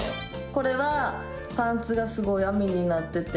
これはパンツがすごい編みになってて。